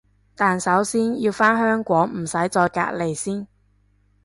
但首先要返香港唔使再隔離先